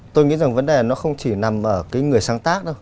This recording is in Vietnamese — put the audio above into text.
tôi nghĩ rằng vấn đề nó không chỉ nằm ở cái người sáng tác đâu